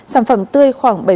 sản phẩm tươi khoảng bảy mươi